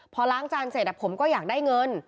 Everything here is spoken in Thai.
พอล้างจานเสร็จผมก็อยากได้เงิน